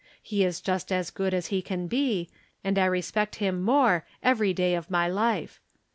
He is just as good as he can be, and I respect him more every day of my life.